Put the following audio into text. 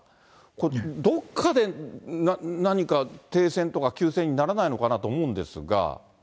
これ、どっかで何か停戦とか休戦にならないのかなって思うんですが。